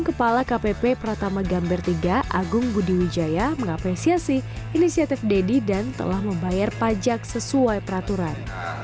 kpp pertama gambir tiga agung budiwijaya mengapresiasi inisiatif dedy dan telah membayar pajak sesuai peraturan